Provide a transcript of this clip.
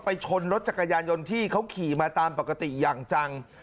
ชนรถจักรยานยนต์ที่เขาขี่มาตามปกติอย่างจัง